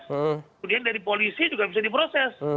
kemudian dari polisi juga bisa diproses